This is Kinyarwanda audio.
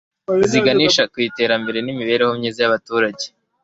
ziganisha ku iterambere n'imibereho myiza y'abaturage